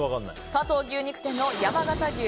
加藤牛肉店の山形牛